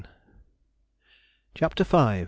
CHAPTER V.